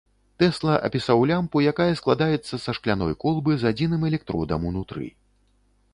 Тэсла апісаў лямпу, якая складаецца са шкляной колбы з адзіным электродам унутры.